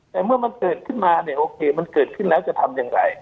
แต่เมื่อมันเกิดขึ้นมาเนี่ยโอเคมันเกิดขึ้นแล้วจะทำอย่างไร